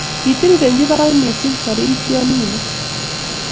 Kitirirenchi barak mising' toritie nino